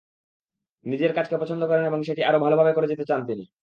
নিজের কাজকে পছন্দ করেন এবং সেটি আরও ভালোভাবে করে যেতে চান তিনি।